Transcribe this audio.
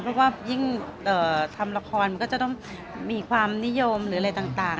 เพราะว่ายิ่งทำละครมันก็จะต้องมีความนิยมหรืออะไรต่าง